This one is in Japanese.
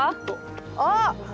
あっ！